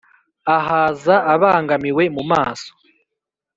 Ahaza abangamiwe mu maso,